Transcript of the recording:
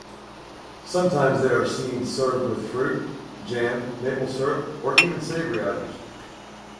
Sometimes they are seen served with fruit, jam, maple syrup, or even savory items.